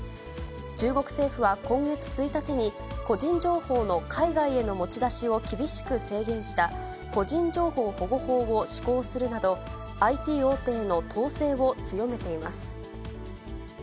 中国政府は今月１日に、個人情報の海外への持ち出しを厳しく制限した、個人情報保護法を施行するなど、ＩＴ大手への統制を強めています。